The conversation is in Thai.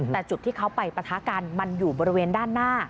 แต่จุดที่เขาไปปะทะกันมันอยู่บริเวณด้านหน้า